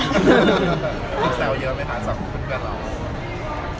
อันนี้เยอะไหมคะจากคุณแผนเรา